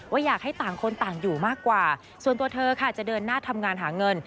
อยากให้ต่างคนต่างอยู่มากกว่าส่วนตัวเธอค่ะจะเดินหน้าทำงานหาเงิน